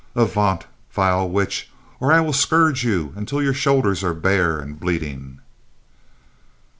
Avaunt, vile witch, or I will scourge you until your shoulders are bare and bleeding."